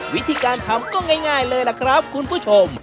วิธีการทำก็ง่ายเลยล่ะครับคุณผู้ชม